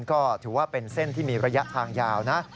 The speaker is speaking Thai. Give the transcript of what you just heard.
ก็ถือว่าเป็นเส้นที่มีระยะทางยาวนะ